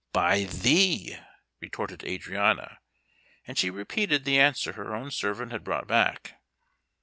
"By thee," retorted Adriana; and she repeated the answer her own servant had brought back.